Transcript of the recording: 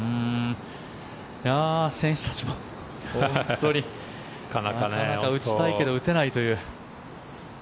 選手たちも本当になかなか打ちたいけど打てないという。